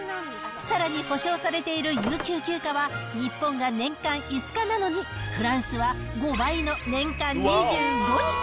さらに、保障されている有給休暇は、日本が年間５日なのに、フランスは５倍の年間２５日。